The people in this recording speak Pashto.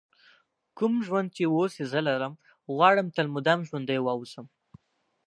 کوم ژوند چې اوس یې زه لرم غواړم تل مدام ژوندی ووسم.